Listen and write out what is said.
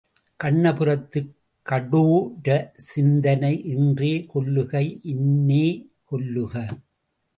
கண்ணபுரத்துக் கடோர சித்தனை இன்றே கொல்லுக, இன்னே கொல்லுக.